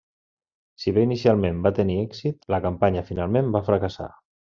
Si bé inicialment va tenir èxit, la campanya finalment va fracassar.